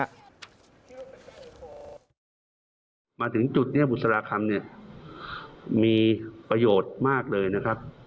มาถึงจุดนี้บุษราคำเนี่ยมีประโยชน์มากเลยนะครับ